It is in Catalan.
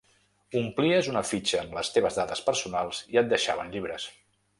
Omplies una fitxa amb les teves dades personals i et deixaven llibres.